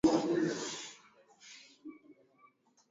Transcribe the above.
Msimu wa kiangazi unawadia.